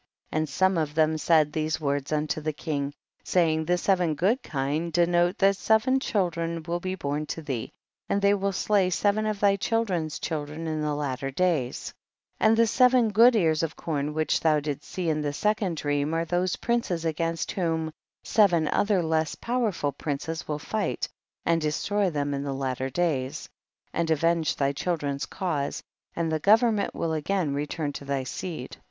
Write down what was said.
23. And some of them said these words unto the king, saying, the se ven good kine denote that seven chil dren will be born to thee, and they will slay seven of thy children's chil dren in the latter days ; and the se ven good ears of corn which thou didst see in the second dream, are those princes against whom seven other less powerful princes will fight and destroy them in the latter days, and avenge thy children's cause, and the government will again return to thy seed.